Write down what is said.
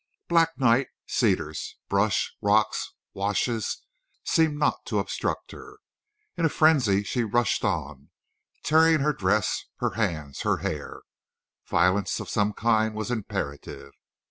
Black night, cedars, brush, rocks, washes, seemed not to obstruct her. In a frenzy she rushed on, tearing her dress, her hands, her hair. Violence of some kind was imperative.